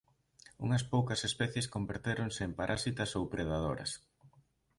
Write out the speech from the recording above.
Unhas poucas especies convertéronse en parasitas ou predadoras.